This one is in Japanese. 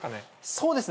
そうですね。